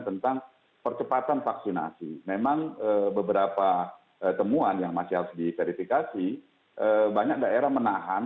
tentang percepatan vaksinasi memang beberapa temuan yang masih harus diverifikasi banyak daerah menahan